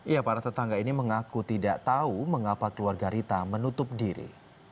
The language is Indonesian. ya para tetangga ini mengaku tidak tahu mengapa keluarga rita menutup diri